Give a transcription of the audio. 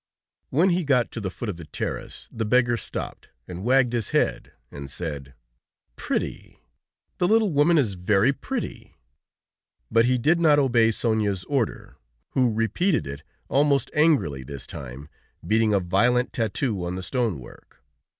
When he got to the foot of the terrace, the beggar stopped, and wagged his head and said: "Pretty! The little woman is very pretty!" But he did not obey Sonia's order, who repeated it, almost angrily this time, beating a violent tattoo on the stone work.